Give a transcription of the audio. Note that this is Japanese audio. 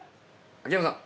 ◆秋山さん！